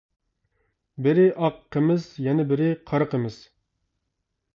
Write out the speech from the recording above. بىرى ئاق قىمىز يەنە بىرى قارا قىمىز.